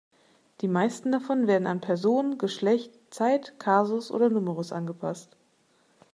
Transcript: Die meisten davon werden an Person, Geschlecht, Zeit, Kasus oder Numerus angepasst.